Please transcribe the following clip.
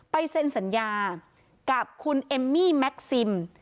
เซ็นสัญญากับคุณเอมมี่แม็กซิม